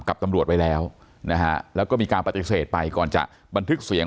กับตำรวจไว้แล้วนะฮะแล้วก็มีการปฏิเสธไปก่อนจะบันทึกเสียง